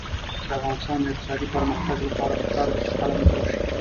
د افغانستان د اقتصادي پرمختګ لپاره پکار ده چې قلم جوړ شي.